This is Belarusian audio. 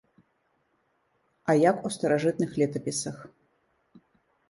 А як у старажытных летапісах.